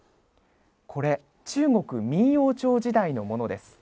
これ、中国明王朝時代のものです。